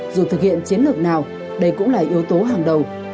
dù thực hiện chiến lược nào đây cũng là yếu tố hàng đầu